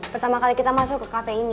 pertama kali kita masuk ke kafe ini